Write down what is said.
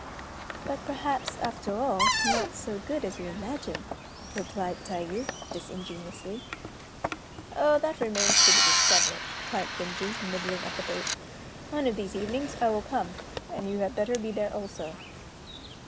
"But, perhaps, after all, not so good as you imagine," replied Tayû, disingenuously. "Oh! that remains to be discovered," cried Genji, nibbling at the bait. "One of these evenings I will come, and you had better be there also."